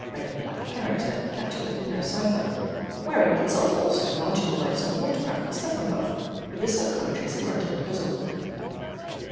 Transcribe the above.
Red and Black character, Catch word and No Cypher; wherein consult, also, marginal notes in the autograph of Stuffundpuff, with the Sub Commentaries of Gruntundguzzell.